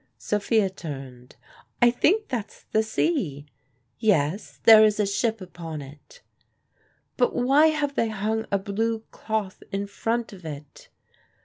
Sophia turned. "I think that's the sea yes, there is a ship upon it." "But why have they hung a blue cloth in front of it?"